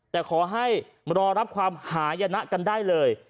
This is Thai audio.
แต่ขอให้รอรับความหายนะกันได้เลย